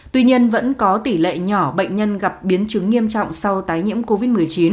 tuy nhiên vẫn có tỷ lệ nhỏ bệnh nhân gặp biến chứng nghiêm trọng sau tái nhiễm covid một mươi chín